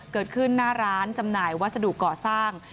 เกิดขึ้นหน้าร้านจำหน่ายวัสดุก่อสร้าง